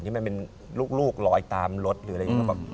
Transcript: ที่มันเป็นลูกลอยตามรถหรืออะไรอย่างนี้